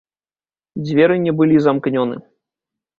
Дзверы не былі замкнёны.